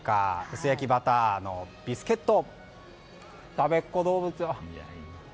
薄焼きバターのビスケット。